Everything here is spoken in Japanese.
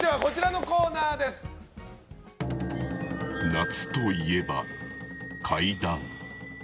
夏といえば怪談。